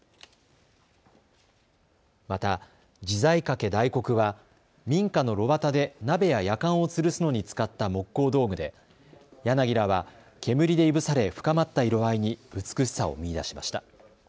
また、自在掛大黒は民家の炉端で鍋ややかんをつるすのに使った木工道具で柳らは煙でいぶされ深まった色合いに美しさを見いだしました。